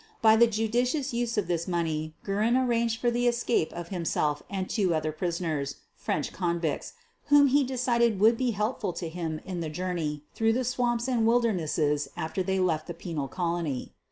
By the judicious use of this money Guerin arranged for the escape of himself and two other prisoners, French convicts, whom he decided would be helpful to him in the jour ney through the swamps and wildernesses after they left the penal colony.